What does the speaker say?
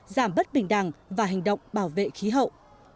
giảm bất bình đẳng và hành động bảo vệ khí hậu